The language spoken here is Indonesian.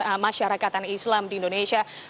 kami adalah masyarakat islam di indonesia